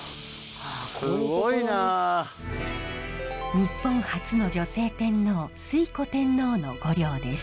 日本初の女性天皇推古天皇の御陵です。